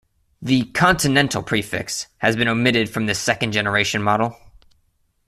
The "Continental" prefix has been omitted from this second generation model.